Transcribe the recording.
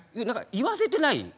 何か言わせてない？